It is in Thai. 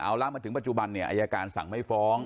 เอาละมาถึงปัจจุบันเนี่ยอายการสั่งไม่ฟ้อง